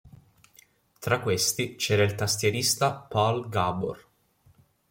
Tra questi c'era il tastierista Pal Gabor.